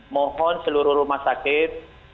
mohon seluruh rumah sakit